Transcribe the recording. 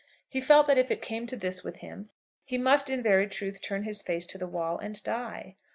He felt that if it came to this with him he must in very truth turn his face to the wall and die.